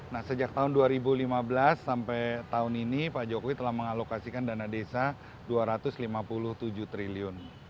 nah sejak tahun dua ribu lima belas sampai tahun ini pak jokowi telah mengalokasikan dana desa rp dua ratus lima puluh tujuh triliun